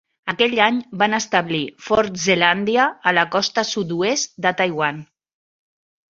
Aquell any van establir Fort Zeelandia a la costa sud-oest de Taiwan.